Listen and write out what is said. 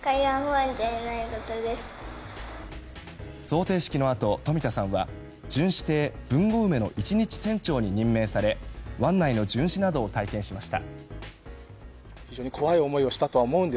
贈呈式のあと冨田さんは巡視艇「ぶんごうめ」の一日船長に任命され湾内の巡視などを体験しました。